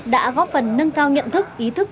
đã góp phần nâng cao nhận thức ý thức